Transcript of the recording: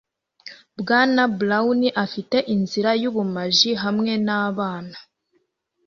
Bwana Brown afite inzira yubumaji hamwe nabana.